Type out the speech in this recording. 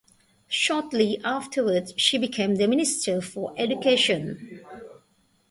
Shortly afterwards she became the Minister for Education.